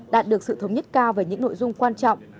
đạt được sự thống nhất cao về những nội dung quan trọng